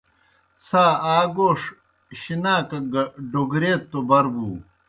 څھا آ گوݜ شِناک گہ ڈوگریت توْ بر بُو۔